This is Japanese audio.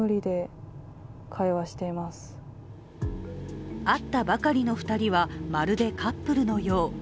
更に会ったばかりの２人は、まるでカップルのよう。